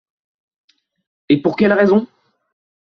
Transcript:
Et pour quelle raison ?